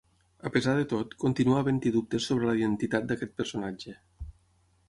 A pesar de tot, continua havent-hi dubtes sobre la identitat d'aquest personatge.